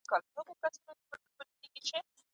د اقتصادي پرمختيا په هکله بېلابېل تعريفونه شتون لري.